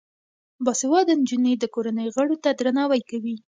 باسواده نجونې د کورنۍ غړو ته درناوی کوي.